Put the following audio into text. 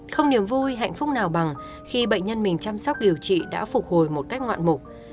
không niềm vui hạnh phúc nào bằng khi bệnh nhân mình chăm sóc điều trị đã phục hồi một cách ngoạn mục